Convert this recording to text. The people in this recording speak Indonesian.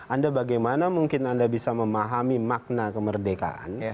anda bagaimana mungkin anda bisa memahami makna kemerdekaan